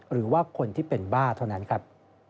หรือว่าคนที่เป็นบ้าเท่านั้นครับ